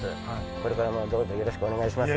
これからもどうぞよろしくお願いします